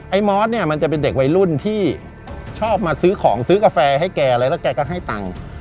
มอสเนี่ยมันจะเป็นเด็กวัยรุ่นที่ชอบมาซื้อของซื้อกาแฟให้แกอะไรแล้วแกก็ให้ตังค์